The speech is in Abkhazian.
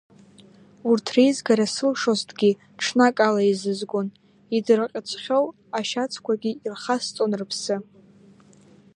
Урҭ реизгара сылшозҭгьы ҽнакала еизызгон, идырҟьыцхьоу ашьацқәагьы ирхасҵон рыԥсы.